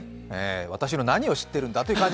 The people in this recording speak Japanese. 私の何を知ってるんだという感じ